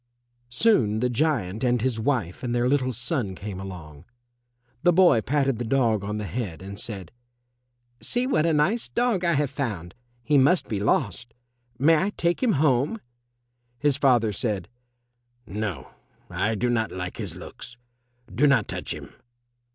Soon the giant and his wife and their little son came along. The boy patted the dog on the head, and said, "See what a nice dog I have found. He must be lost. May I take him home?" His father said, "No, I do not like his looks. Do not touch him."